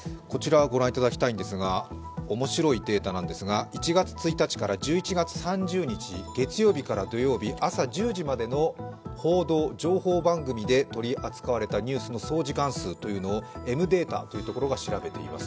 面白いデータなんですが１月１日から１１月３０日、月曜日から土曜日、朝１０時までの報道情報番組で取り扱われたニュースの総時間数というのをエムデータというところが調べています。